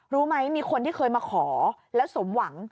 รู้ไหมมีคนที่เคยมาขอแล้วสมหวัง